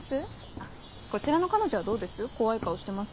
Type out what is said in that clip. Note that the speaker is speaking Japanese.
あっこちらの彼女はどうです？